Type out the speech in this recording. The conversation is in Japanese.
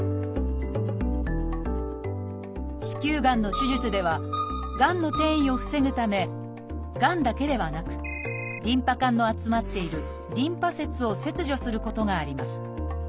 子宮がんの手術ではがんの転移を防ぐためがんだけではなくリンパ管の集まっているリンパ節を切除することがあります。